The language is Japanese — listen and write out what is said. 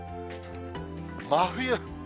真冬。